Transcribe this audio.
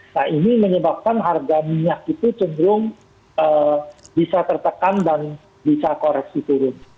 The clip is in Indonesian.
nah ini menyebabkan harga minyak itu cenderung bisa tertekan dan bisa koreksi turun